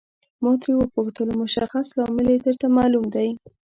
ما ترې وپوښتل مشخص لامل یې درته معلوم دی.